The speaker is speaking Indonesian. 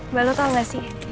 mbak lo tau gak sih